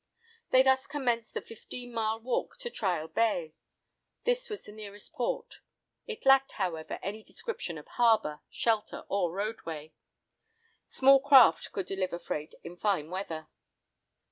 They thus commenced the fifteen mile walk to Trial Bay. This was the nearest port. It lacked, however, any description of harbour, shelter, or roadway. Small craft could deliver freight in fine weather.